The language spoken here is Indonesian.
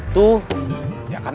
saya akhlakan senjata sd